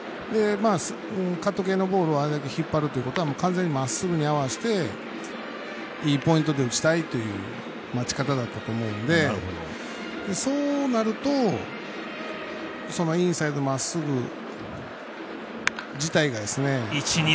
カット系のボールを上げて引っ張るということは完全にまっすぐに合わしていいポイントで打ちたいっていう待ち方だったと思うんでそうなるとインサイドまっすぐ自体が。